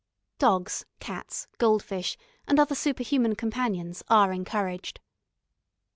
Dogs, cats, goldfish, and other superhuman companions are encouraged.